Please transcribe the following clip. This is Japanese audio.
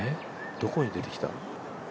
どこに出てきた？